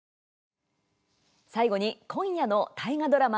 最後に今夜の大河ドラマ